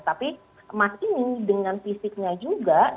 tapi emas ini dengan fisiknya juga